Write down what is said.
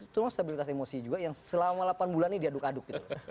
dan stabilitas emosi juga yang selama delapan bulan ini diaduk aduk gitu